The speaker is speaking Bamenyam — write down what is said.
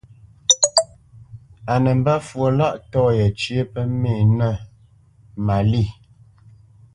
A nə́ mbə́ fwo lâʼtɔ̂ yécyə pə́ mê ngâʼ Malî.